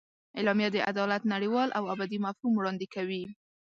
اعلامیه د عدالت نړیوال او ابدي مفهوم وړاندې کوي.